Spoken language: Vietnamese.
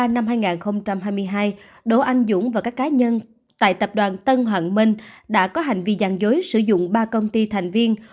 năm hai nghìn hai mươi hai đỗ anh dũng và các cá nhân tại tập đoàn tân hoàng minh đã có hành vi gian dối sử dụng ba công ty thành viên